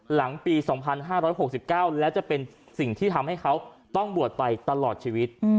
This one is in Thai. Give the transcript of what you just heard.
หลังปี๒๕๖๙แล้วจะเป็นสิ่งที่ทำให้เขาต้องบวชไปตลอดชีวิต